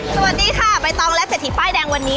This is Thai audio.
สวัสดีค่ะใบตองและเศรษฐีป้ายแดงวันนี้